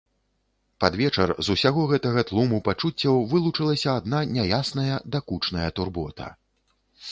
Пад вечар з усяго гэтага тлуму пачуццяў вылучылася адна няясная, дакучная турбота.